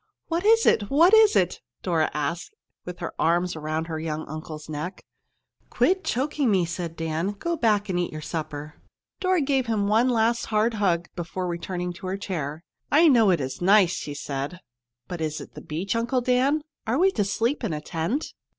"What is it? What is it?" Dora was asking with her arms around her young uncle's neck. "Quit choking me," said Dan. "Go back and eat your supper." Dora gave him one last hard hug before returning to her chair. "I know it is nice," she said. "But is it the beach, Uncle Dan, and are we to sleep in a tent?"